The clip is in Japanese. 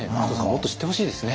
もっと知ってほしいですね。